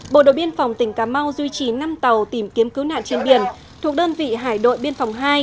bộ đội biên phòng tỉnh cà mau duy trì năm tàu tìm kiếm cứu nạn trên biển thuộc đơn vị hải đội biên phòng hai